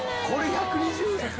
これ１２０円！？